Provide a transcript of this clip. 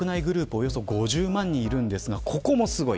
およそ５０万人いますがここもすごい。